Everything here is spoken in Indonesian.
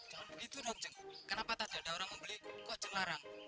jangan begitu dong jeng kenapa tak ada ada orang membeli kok jeng larang